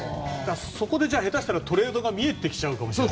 そこで下手したらトレードが見えてきちゃうかもしれない。